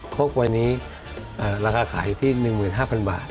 พกวันนี้ราคาขายที่๑๕๐๐๐บาท